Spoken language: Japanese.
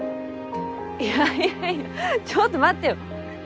いやいやいやちょっと待ってよ。